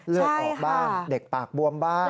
เลือดออกบ้างเด็กปากบวมบ้างค่ะใช่ค่ะ